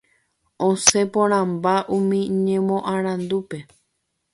Osẽ porãmba umi ñemoarandúpe.